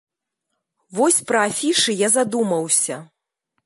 Вось пра афішы я задумаўся.